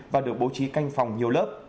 và được bố trí canh phòng nhiều lớp